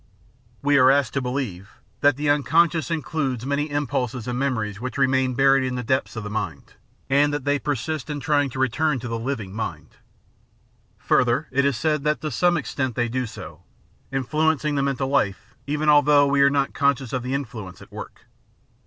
We are asked to beheve that "the unconscious includes many impulses and memories which remain buried in the depths of the mind," and that they persist in trying to return to The Science of the Mind 559 the living mind. Further, it is said that to some extent they do so, influencing the mental life even although we are not conscious of the influence at work.